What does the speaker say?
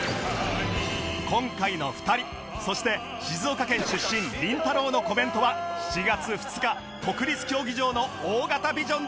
今回の２人そして静岡県出身りんたろー。のコメントは７月２日国立競技場の大型ビジョンで流されます